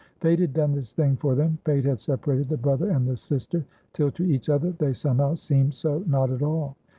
Fate had done this thing for them. Fate had separated the brother and the sister, till to each other they somehow seemed so not at all.